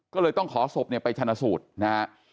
ก็เลยต้องขอศพเนี่ยไปชนะสูตรนะฮะ